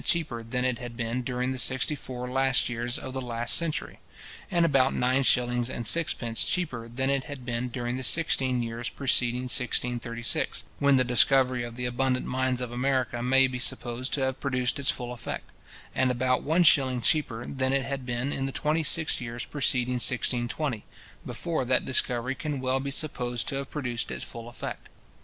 cheaper than it had been during the sixty four last years of the last century; and about nine shillings and sixpence cheaper than it had been during the sixteen years preceding 1636, when the discovery of the abundant mines of America may be supposed to have produced its full effect; and about one shilling cheaper than it had been in the twenty six years preceding 1620, before that discovery can well be supposed to have produced its full effect.